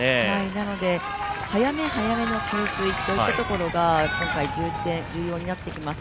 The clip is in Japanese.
なので、早め早めの給水が今回重要になってきます。